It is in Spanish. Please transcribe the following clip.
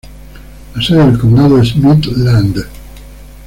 La sede del condado es Midland.